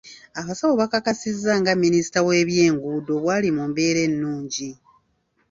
Abasawo bakakasizza nga Minisita w’ebyenguudo bw’ali mu mbeera ennungi.